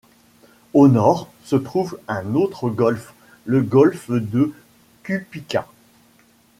Au nord se trouve un autre golfe, le golfe de Cupica.